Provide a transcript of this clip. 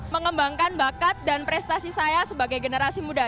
mengembangkan bakat dan prestasi saya sebagai generasi muda